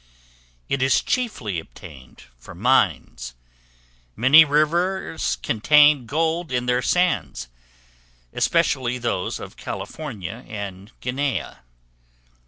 It is chiefly obtained from mines. Many rivers contain gold in their sands, especially those of California and Guinea.